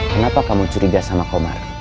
kenapa kamu curiga sama komar